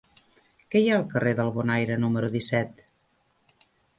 Què hi ha al carrer del Bonaire número disset?